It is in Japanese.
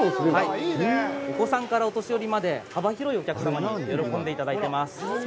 お子さんからお年寄りまで、幅広いお客様に喜んでいただいています。